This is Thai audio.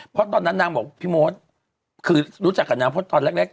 เพราะตอนนั้นนางบอกพี่มดคือรู้จักกับนางเพราะตอนแรก